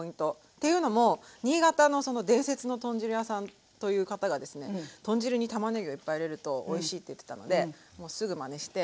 っていうのも新潟の伝説の豚汁屋さんという方がですね豚汁にたまねぎをいっぱい入れるとおいしいって言ってたのでもうすぐまねして。